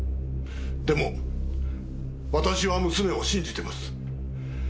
でも私は娘を信じています。